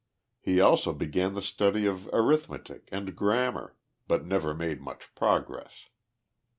He also began the study of arithmetic and grammar, but never made much progress.